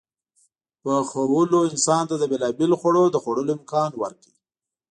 پخولو انسان ته د بېلابېلو خوړو د خوړلو امکان ورکړ.